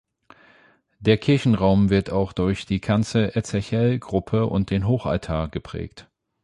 Der Kirchenraum wird auch durch die Kanzel-Ezechiel-Gruppe und den Hochaltar geprägt.